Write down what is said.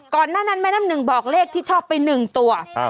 ก่อนหน้านั้นแม่น้ำหนึ่งบอกเลขที่ชอบไป๑ตัว